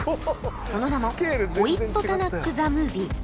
その名も『オイットタナック・ザ・ムービー』